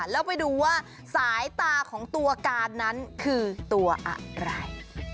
แล้วไปดูว่าสายตาของตัวการนั้นคือตัวอะไร